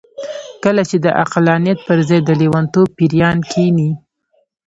کله چې د عقلانيت پر ځای د لېونتوب پېريان کېني.